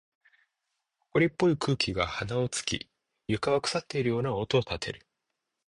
埃っぽい空気が鼻を突き、床は腐っているような音を立てる。